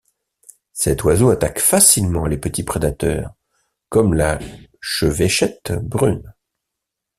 Cet oiseau attaque facilement les petits prédateurs comme la Chevêchette brune.